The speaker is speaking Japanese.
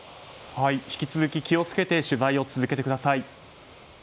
引き続き気を付けて取材を続けてください。